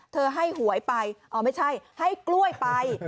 ให้หวยไปอ๋อไม่ใช่ให้กล้วยไป